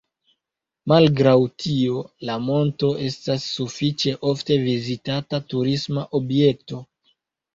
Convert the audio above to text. Malgraŭ tio la monto estas sufiĉe ofte vizitata turisma objekto.